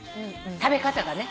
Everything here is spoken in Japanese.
食べ方がね。